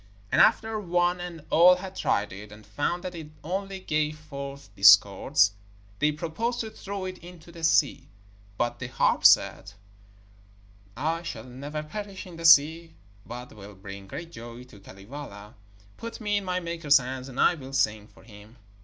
And after one and all had tried it, and found that it only gave forth discords, they proposed to throw it into the sea. But the harp said: 'I shall never perish in the sea, but will bring great joy to Kalevala. Put me in my maker's hands, and I will sing for him.'